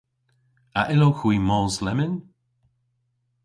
A yllowgh hwi mos lemmyn?